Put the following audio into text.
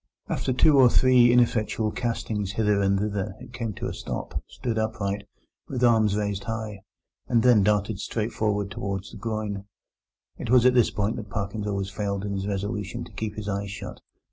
After two or three ineffectual castings hither and thither it came to a stop, stood upright, with arms raised high, and then darted straight forward towards the groyne. It was at this point that Parkins always failed in his resolution to keep his eyes shut.